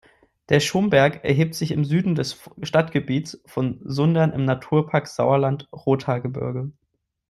Der Schomberg erhebt sich im Süden des Stadtgebiets von Sundern im Naturpark Sauerland-Rothaargebirge.